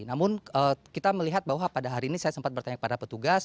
namun kita melihat bahwa pada hari ini saya sempat bertanya kepada petugas